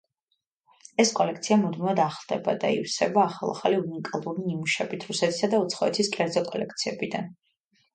ეს კოლექცია მუდმივად ახლდება და ივსება ახალ-ახალი უნიკალური ნიმუშებით რუსეთისა და უცხოეთის კერძო კოლექციებიდან.